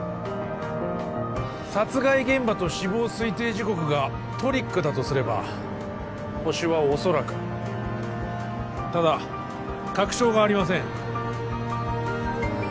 殺害現場と死亡推定時刻がトリックだとすればホシは恐らくただ確証がありません